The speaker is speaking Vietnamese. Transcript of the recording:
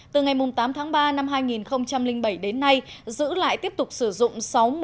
từ ngày tám tháng ba năm hai nghìn bảy đến nay giữ lại tiếp tục sử dụng sáu mươi tám một trăm bốn mươi năm